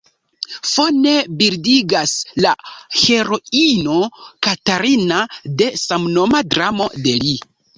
Fone bildigas la heroino "Katarina" de samnoma dramo de li.